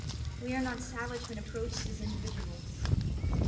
We are not savage when approached as individuals.